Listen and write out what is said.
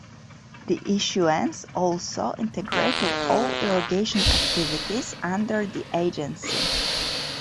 The issuance also integrated all irrigation activities under the Agency.